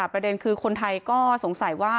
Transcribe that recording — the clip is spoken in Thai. ประเด็นคือคนไทยก็สงสัยว่า